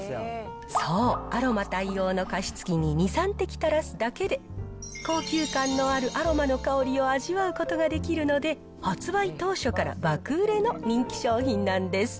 そう、アロマ対応の加湿器に２、３滴垂らすだけで、高級感のあるアロマの香りを味わうことができるので、発売当初から爆売れの人気商品なんです。